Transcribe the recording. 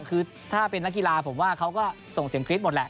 คือถ้าเป็นนักกีฬาผมว่าเขาก็ส่งเสียงกรี๊ดหมดแหละ